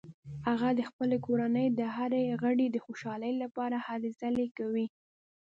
هغه د خپلې کورنۍ د هر غړي د خوشحالۍ لپاره هلې ځلې کوي